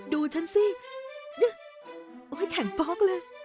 ดูฉันสิโอ้ยแข็งป๊อกเลย